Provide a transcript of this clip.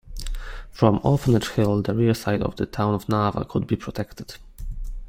From Orphanage Hill, the rear side of the town of Narva could be protected.